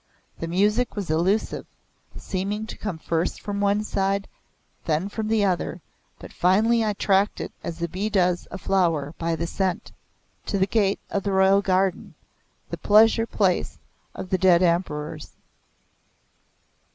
The music was elusive, seeming to come first from one side, then from the other, but finally I tracked it as a bee does a flower by the scent, to the gate of the royal garden the pleasure place of the dead Emperors.